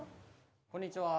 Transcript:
こんにちは。